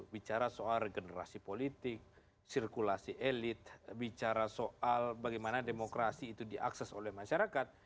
bicara soal regenerasi politik sirkulasi elit bicara soal bagaimana demokrasi itu diakses oleh masyarakat